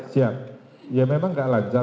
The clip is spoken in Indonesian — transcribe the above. siap ya memang nggak lancar